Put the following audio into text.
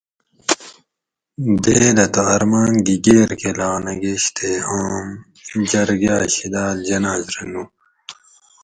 دیدہ تہ ارمان گی گیر کہ لا نہ گیش تے آم جرگاۤ شیداۤل جناز رہ نو